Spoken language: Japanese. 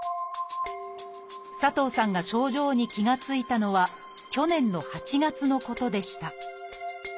佐藤さんが症状に気が付いたのは去年の８月のことでした。